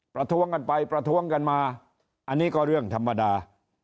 ประท้วงกันไปประท้วงกันมาอันนี้ก็เรื่องธรรมดา